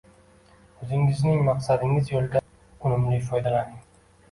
O‘zingizning maqsadingiz yo‘lida unumli foydalaning.